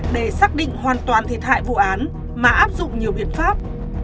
để xác định hoàn toàn thiệt hại vụ án mà áp dụng nhiều biện pháp